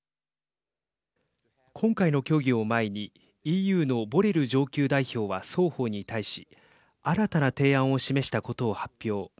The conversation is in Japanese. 今回の協議を前にＥＵのボレル上級代表は双方に対し新たな提案を示したことを発表。